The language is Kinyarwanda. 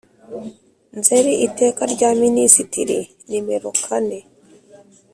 Nzeri Iteka rya Minisitiri nimero kane